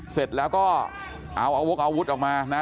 เสร็จแล้วก็เอาวกอาวุธออกมานะ